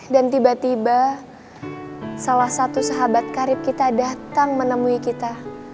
dan tiba tiba salah satu sahabat karib kita datang menemui kita